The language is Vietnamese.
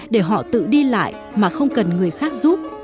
để họ tự đi lại mà không cần người khác giúp